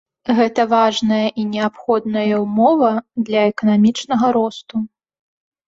Гэта важная і неабходная ўмова для эканамічнага росту.